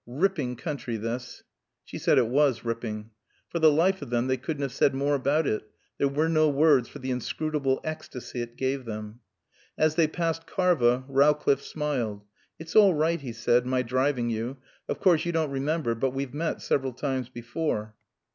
"Ripping country, this." She said it was ripping. For the life of them they couldn't have said more about it. There were no words for the inscrutable ecstasy it gave them. As they passed Karva Rowcliffe smiled. "It's all right," he said, "my driving you. Of course you don't remember, but we've met several times before."